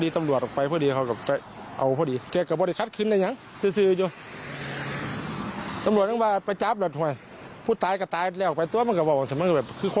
ถ้าอยู่ในเสียงหน้าที่อยู่ด้วยกันอยู่สองคนเพราะลูก